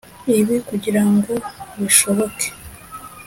Ibi kugira ngo bishoboke